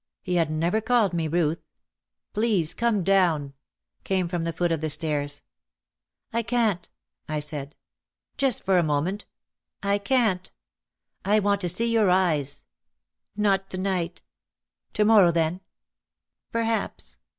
He had never called me Ruth. "Please come down!" came from the foot of the stairs. "I can't," I said. "Just for a moment." 1 can t. "I want to see your eyes." "Not to night." "To morrow then?" "Perhaps."